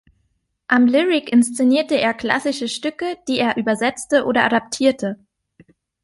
Am Lyric inszenierte er klassische Stücke, die er übersetzte oder adaptierte.